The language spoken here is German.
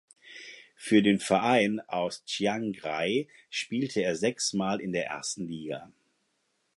Für den Verein aus Chiangrai spielte er sechsmal in der ersten Liga.